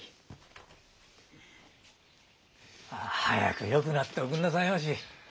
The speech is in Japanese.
早くよくなっておくんなさいまし。